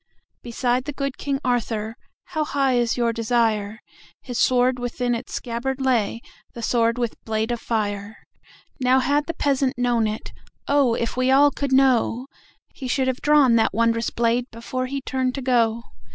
Beside the good King Arthur(How high is your desire?)His sword within its scabbard lay, The sword with blade of fire. Now had the peasant known it(Oh, if we all could know!)He should have drawn that wondrous bladeBefore he turned to go.